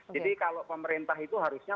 jadi kalau pemerintah itu harusnya